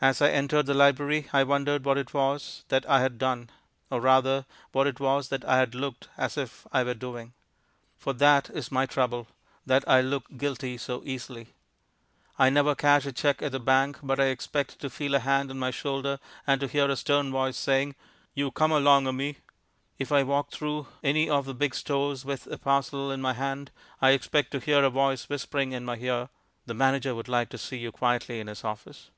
As I entered the library, I wondered what it was that I had done; or, rather, what it was that I had looked as if I were doing. For that is my trouble that I look guilty so easily. I never cash a cheque at the bank but I expect to feel a hand on my shoulder and to hear a stern voice saying, "You cummer longer me." If I walk through any of the big stores with a parcel in my hand I expect to hear a voice whispering in my ear, "The manager would like to see you quietly in his office."